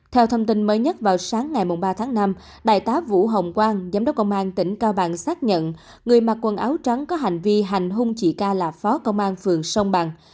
theo thông tin mới nhất vào sáng ngày ba tháng năm đại tá vũ hồng quang giám đốc công an tỉnh cao bằng xác nhận người mặc quần áo trắng có hành vi hành hung chị ca là phó công an phường sông bằng